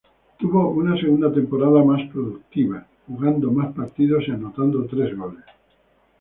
Tuvo una segunda temporada más productivo, jugando más partidos y anotando tres goles.